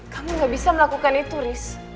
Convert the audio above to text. kamu gak bisa melakukan itu riz